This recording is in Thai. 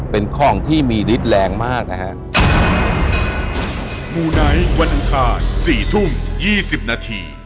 เป็นของที่มีฤทธิ์แรงมากนะครับ